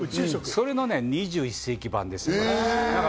それの２１世紀版です。